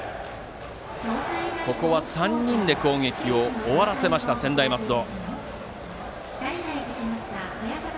ここは３人で攻撃を終わらせました、専大松戸。